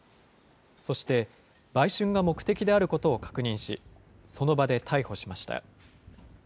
そして、売春が目的であることを確認し、その場で逮捕しました。